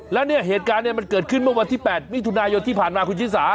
แล้วเนี่ยเหตุการณ์มันเกิดขึ้นเมื่อวันที่๘มิถุนายนที่ผ่านมาคุณชิสา